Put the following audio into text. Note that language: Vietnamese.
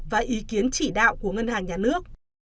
và ý kiến chỉ đạo của ngân hàng nhà nước